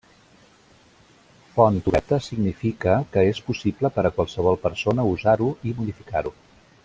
Font oberta significa que és possible per a qualsevol persona usar-ho i modificar-ho.